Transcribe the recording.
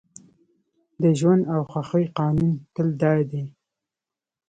د ژوند او خوښۍ قانون تل دا دی